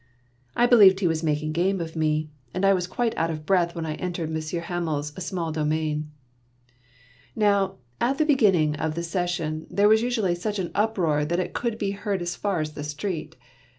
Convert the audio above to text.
" I believed he was making game of me, and I was quite out of breath when I entered Monsieur Hamel's small domain. Now, at the beginning of the session there was usually such an uproar that it could be heard as far as the street.